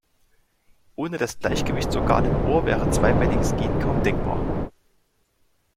Ohne das Gleichgewichtsorgan im Ohr wäre zweibeiniges Gehen kaum denkbar.